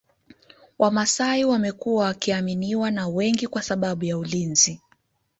wamasai wamekuwa wakiaminiwa na wengi kwa sababu ya ulinzi